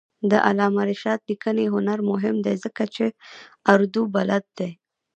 د علامه رشاد لیکنی هنر مهم دی ځکه چې اردو بلد دی.